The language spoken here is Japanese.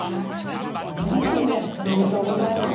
７０年おめでとうございます。